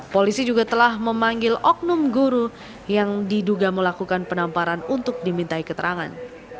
polisi juga telah memanggil oknum guru yang diduga melakukan penamparan untuk dimintai keterangan